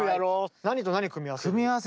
何と何組み合わせる？